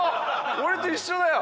俺と一緒だよ！